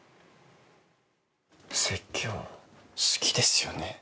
説教好きですよね。